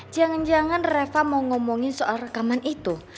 jangan jangan reva mau ngomongin soal rekaman itu